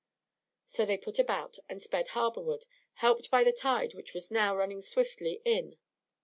So they put about and sped harborward, helped by the tide which was now running swiftly in.